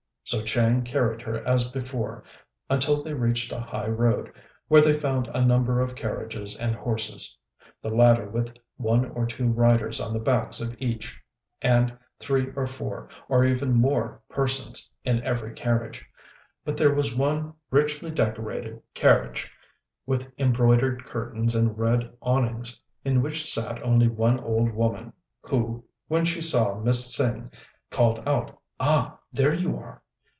So Chang carried her as before, until they reached a high road, where they found a number of carriages and horses, the latter with one or two riders on the backs of each, and three or four, or even more persons, in every carriage. But there was one richly decorated carriage, with embroidered curtains and red awnings, in which sat only one old woman, who, when she saw Miss Tsêng, called out, "Ah, there you are."